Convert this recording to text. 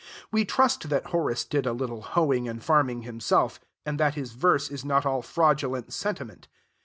We trust that Horace did a little hoeing and farming himself, and that his verse is not all fraudulent sentiment.